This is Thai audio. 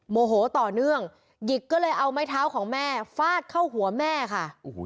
โมโหต่อเนื่องหยิกก็เลยเอาไม้เท้าของแม่ฟาดเข้าหัวแม่ค่ะ